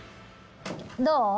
どう？